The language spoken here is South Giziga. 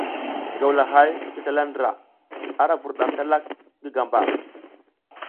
Gawlahay ngi zlala ndra, ara vurdam slalak ngi gamba.